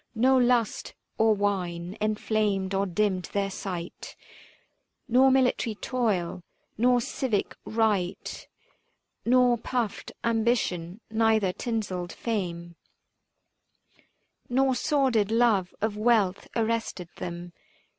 No lust or wine enflamed or dimmed their sight ; 325 Nor military toil, nor civic rite, Nor puffed ambition, neither tinselled fame Nor sordid love of wealth arrested them.